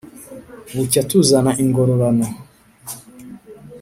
bucya tuzana ingororano,